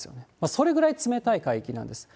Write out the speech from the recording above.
それぐらい冷たい海域なんです。